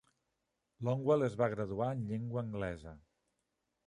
Longwell es va graduar en Llengua Anglesa.